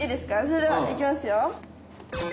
それではいきますよ。